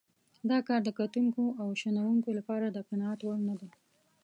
دا کار د کتونکو او شنونکو لپاره د قناعت وړ نه دی.